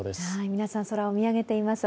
皆さん空を見上げています。